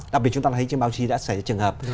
đặc biệt chúng ta thấy trên báo chí đã xảy ra trường hợp